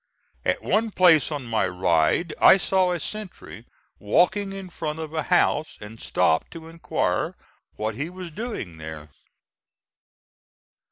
At one place on my ride, I saw a sentry walking in front of a house, and stopped to inquire what he was doing there.